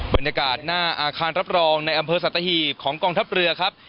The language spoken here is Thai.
บรรยากาศหน้าอาคารรับรองในอำเภอสัตหีบของกองทัพเรือครับ